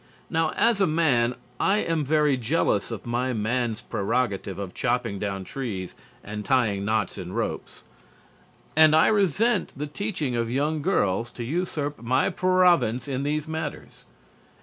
Now, as a man, I am very jealous of my man's prerogative of chopping down trees and tying knots in ropes, and I resent the teaching of young girls to usurp my province in these matters.